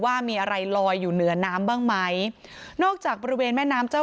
ว่ามีอะไรลอยอยู่เหนือน้ำบ้างไหมนอกจากบริเวณแม่น้ำเจ้า